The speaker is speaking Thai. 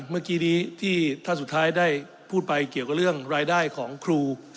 เมื่อกี้นี้ที่ท่านสุดท้ายได้พูดไปเกี่ยวกับเรื่องรายได้ของครู